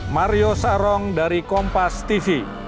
mario sarong dari kompas tv